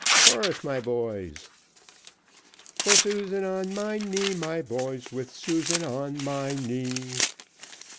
"Chorus, my boys " For Susan on my knee, my boys, With Susan on my knee.